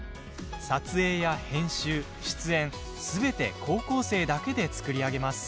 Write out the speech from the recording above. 撮影や編集、出演、すべて高校生だけで作り上げます。